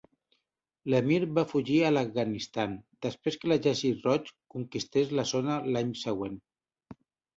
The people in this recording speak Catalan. L'emir va fugir a l'Afganistan després que l'Exèrcit Roig conquistés la zona l'any següent.